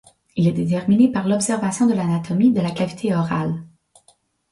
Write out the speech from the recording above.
Il est déterminé par l'observation de l'anatomie de la cavité orale.